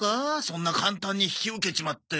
そんな簡単に引き受けちまって。